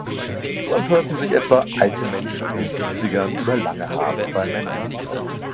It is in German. So empörten sich etwa alte Menschen in den Siebzigern über lange Haare bei Männern.